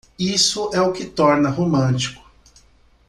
Isso é o que torna romântico.